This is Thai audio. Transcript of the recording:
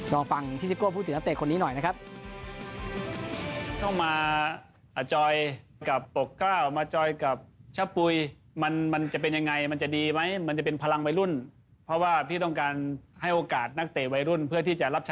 ลองฟังพี่ซิโก้พูดถึงนักเตะคนนี้หน่อยนะครับ